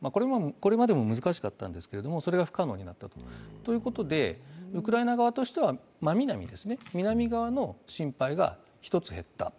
これまでも難しかったんですけれども、それが不可能になったということでウクライナ側としては真南、南側の心配が１つ減った。